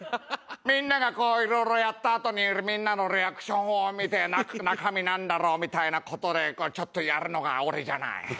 みんながこういろいろやったあとにみんなのリアクションを見て中身なんだろうみたいな事でちょっとやるのが俺じゃない？